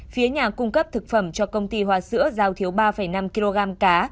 phía nhà cung cấp thực phẩm cho công ty hoa sữa giao thiếu ba năm kg cá